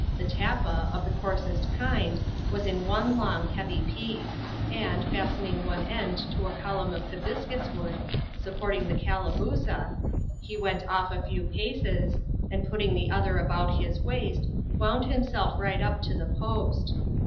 The tappa — of the coarsest kind — was in one long, heavy piece; and, fastening one end to a column of Habiscus wood, supporting the Calabooza, he went off a few paces, and putting the other about his waist, wound himself right up to the post.